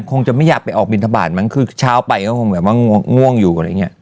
จังหวังจะไม่อยากไปกี่บินทบาทน่ะคือเช้าไปก็เป็นที่ก็ง่วงอยู่